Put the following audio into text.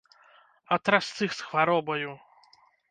А трасцы з хваробаю!